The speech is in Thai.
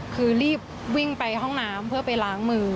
คือรีบวิ่งไปห้องน้ำเพื่อไปล้างมือ